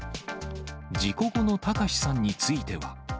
事故後の貴志さんについては。